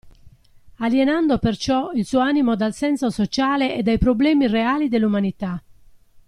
Alienando perciò il suo animo dal senso sociale e dai problemi reali dell'umanità.